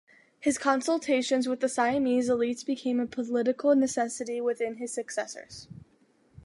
His consultations with the Siamese elites became a political necessity within his successors.